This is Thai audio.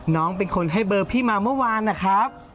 น้องเป็นคนให้เบอร์พี่มาเมื่อวานนะครับ